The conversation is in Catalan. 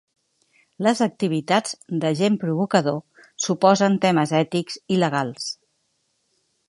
Les activitats d'agent provocador suposen temes ètics i legals.